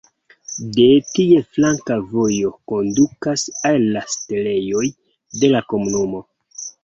De tie flanka vojo kondukas al la setlejoj de la komunumo.